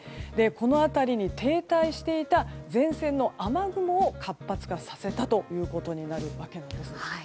この辺りに停滞していた前線の雨雲を活発化させたということになるわけなんです。